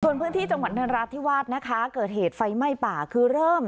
ส่วนพื้นที่จังหวัดนราธิวาสนะคะเกิดเหตุไฟไหม้ป่าคือเริ่ม